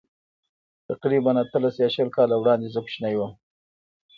تقریباً اتلس یا شل کاله وړاندې زه کوچنی وم.